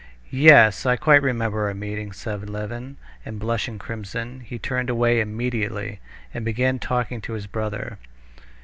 "Yes, I quite remember our meeting," said Levin, and blushing crimson, he turned away immediately, and began talking to his brother.